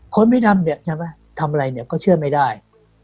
คนผิดำทำอะไรก็เชื่อไม่ได้